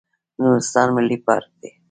نورستان ملي پارک دی